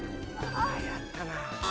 あっやったな。